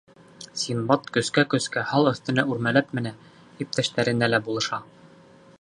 Синдбад көскә-көскә һал өҫтөнә үрмәләп менә; иптәштәренә лә булыша.